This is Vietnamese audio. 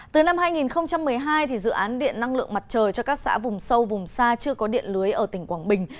từ năm hai nghìn một mươi hai dự án điện năng lượng mặt trời cho các xã vùng sâu vùng xa chưa có điện lưới ở tỉnh quảng bình